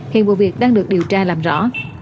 hiện vụ việc đang được điều tra làm rõ